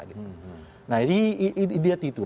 jadi lihat itu